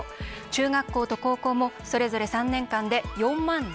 中学校と高校もそれぞれ３年間で４万７０００円。